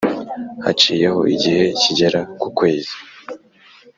haciyeho igihe kigera ku kwezi,